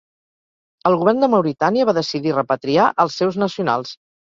El govern de Mauritània va decidir repatriar els seus nacionals.